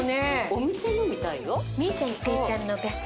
お店のみたいよ。